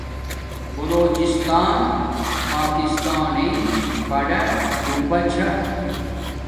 بولوجستان پاکستانݵ بڑا صوبہ چھا